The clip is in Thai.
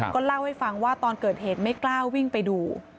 ก็เล่าให้ฟังว่าตอนเกิดเหตุไม่กล้าวิ่งไปดู